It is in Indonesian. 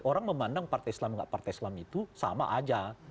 orang memandang partai islam tidak partai islam itu sama aja